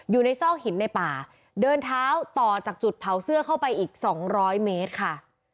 ซอกหินในป่าเดินเท้าต่อจากจุดเผาเสื้อเข้าไปอีก๒๐๐เมตรค่ะ